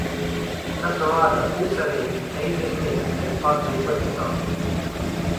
Sakurada also used Asian mist as part of his repertoire.